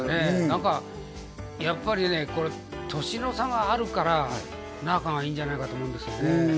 何かやっぱりねこれ年の差があるから仲がいいんじゃないかと思うんですよね